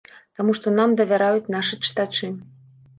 Таму, што нам давяраюць нашы чытачы.